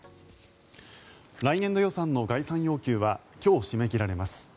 来年度予算の概算要求は今日締め切られます。